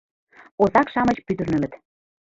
Озак-шамыч пӱтырнылыт